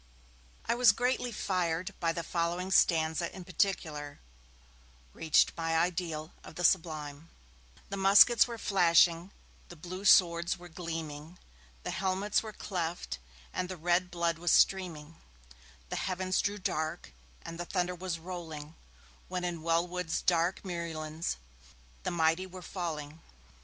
I was greatly fired, and the following stanza, in particular, reached my ideal of the Sublime: The muskets were flashing, the blue swords were gleaming, The helmets were cleft, and the red blood was streaming, The heavens grew dark, and the thunder was rolling, When in Wellwood's dark muirlands the mighty were falling.